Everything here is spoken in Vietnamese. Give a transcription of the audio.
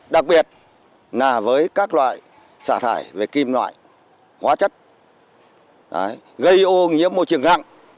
đặc biệt là với các loại xả thải về kim loại hóa chất gây ô nhiễm môi trường nặng